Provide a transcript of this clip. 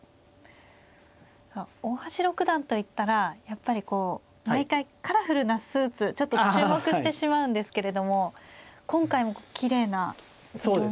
さあ大橋六段といったらやっぱりこう毎回カラフルなスーツちょっと注目してしまうんですけれども今回もきれいな色みで。